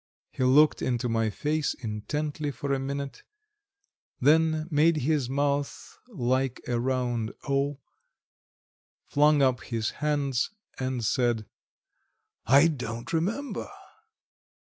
He looked into my face intently for a minute, then made his mouth like a round "O," flung up his hands, and said: "I don't remember!"